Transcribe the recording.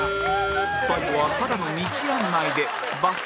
最後はただの道案内で×